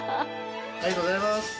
ありがとうございます。